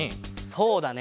そうだね。